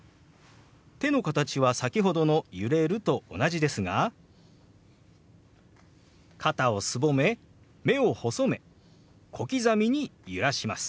手の形は先ほどの「揺れる」と同じですが肩をすぼめ目を細め小刻みに揺らします。